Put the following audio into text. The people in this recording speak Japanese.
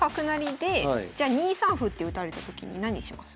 じゃ２三歩って打たれたときに何します？